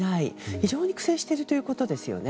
非常に苦戦しているということですよね。